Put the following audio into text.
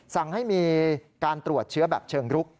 สั่งให้มีการตรวจเชื้อแบบเชิงรุก